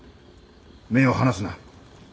目を離すな。